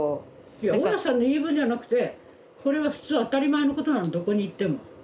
いや大家さんの言い分じゃなくてこれは普通当たり前のことなのどこに行っても。